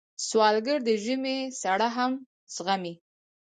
سوالګر د ژمي سړه هم زغمي